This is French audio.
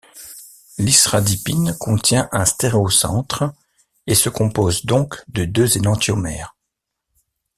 L'isradipine contient un stéréocentre et se compose donc de deux énantiomères.